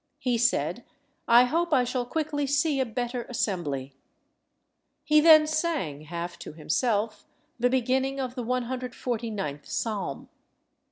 He said, "I hope I shall quickly see a better assembly." He then sang, half to himself, the beginning of the 149th Psalm.